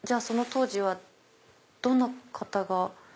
その当時はどんな方が？